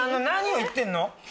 何を言ってるの？